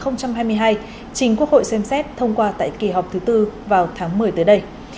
năm hai nghìn hai mươi hai chính quốc hội xem xét thông qua tại kỳ họp thứ tư vào tháng một mươi tới đây